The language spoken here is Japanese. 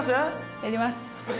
やります！